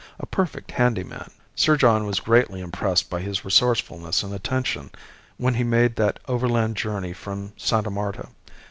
A perfect handy man. Sir John was greatly impressed by his resourcefulness and attention when he made that overland journey from Sta. Marta.